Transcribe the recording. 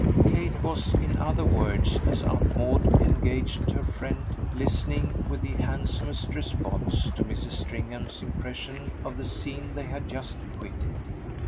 Kate was in other words, as Aunt Maud engaged her friend, listening with the handsomest response to Mrs. Stringham's impression of the scene they had just quitted.